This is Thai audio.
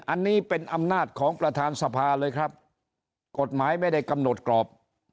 อันนี้เป็นอำนาจของประธานสภาเลยครับกฎหมายไม่ได้กำหนดกรอบ